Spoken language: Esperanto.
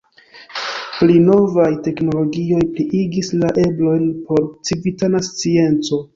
Pli novaj teknologioj pliigis la eblojn por civitana scienco.